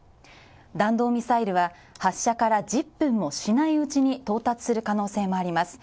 弾道ミサイルは発射から１０分もしないうちに到達する可能性もあります。